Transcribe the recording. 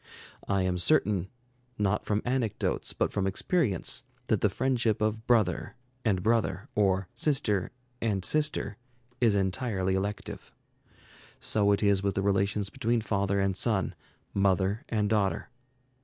I am certain, not from anecdotes but from experience, that the friendship of brother and brother, or sister and sister, is entirely elective. So it is with the relations between father and son, mother and daughter.